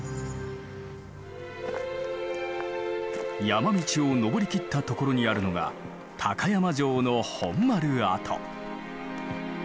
山道を登りきったところにあるのが高山城の本丸跡。